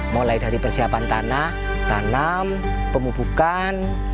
mulai dari persiapan tanah tanam pemubukan